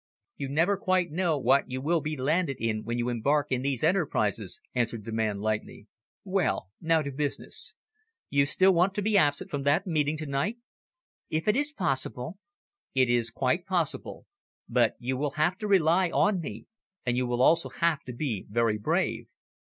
"You never quite know what you will be landed in when you embark in these enterprises," answered the young man lightly. "Well, now to business. You still want to be absent from that meeting to night?" "If it is possible." "It is quite possible, but you will have to rely on me, and you will also have to be very brave."